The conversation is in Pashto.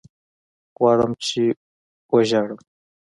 غواړمه چې ژاړم